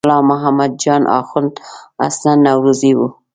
ملا محمد جان اخوند اصلاً نورزی و.